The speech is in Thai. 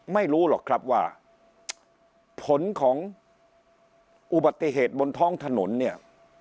ไม่รู้หรอกครับว่าผลของอุบัติเหตุบนท้องถนนเนี่ย